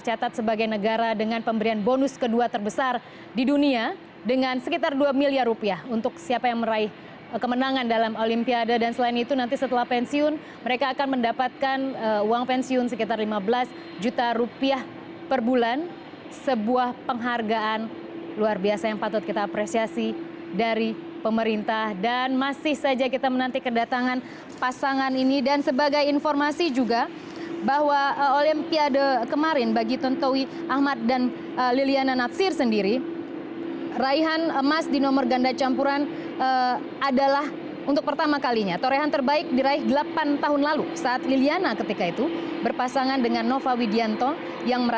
qatar airways tapi kenapa tidak naik garuda indonesia ya sebenarnya